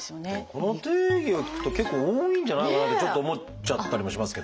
この定義でいくと結構多いんじゃないかなってちょっと思っちゃったりもしますけどね。